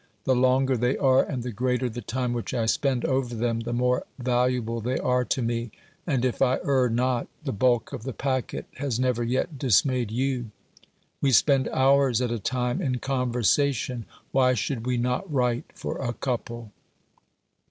The longer they are, and the greater the time which I spend over them, the more valuable they are to me; and, if I err not, the bulk of the packet has never yet dismayed you. We spend hours at a time in conversation, why should we not write for a couple